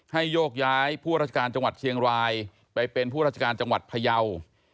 โยกย้ายผู้ราชการจังหวัดเชียงรายไปเป็นผู้ราชการจังหวัดพยาว